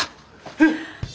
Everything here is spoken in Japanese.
えっ！？